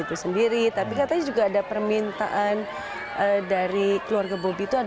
tapi katanya juga ada permintaan dari keluarga bobby itu